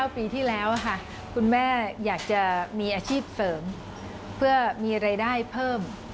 ปีที่แล้วค่ะคุณแม่อยากจะมีอาชีพเสริมเพื่อมีรายได้เพิ่ม